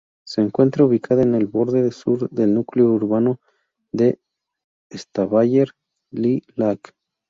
Se encuentra ubicada en el borde sur del núcleo urbano de Estavayer-le-Lac.